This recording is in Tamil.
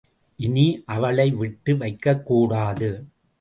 இனி அவளைவிட்டு வைக்கக்கூடாது.